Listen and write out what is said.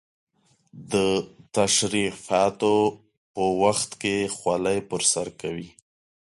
د تشریفاتو په وخت کې خولۍ پر سر کوي.